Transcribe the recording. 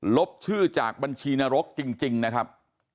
ลบชื่อจากบัญชีนรกจริงนะครับ